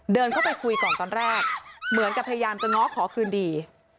เดินเข้าไปคุยก่อนตอนแรกเหมือนกับพยายามจะง้อขอคืนดี